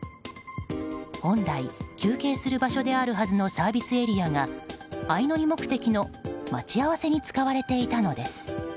本来、休憩する場所であるはずのサービスエリアが相乗り目的の待ち合わせに使われていたのです。